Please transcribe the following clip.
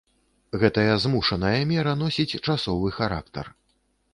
Гэтая змушаная мера носіць часовы характар.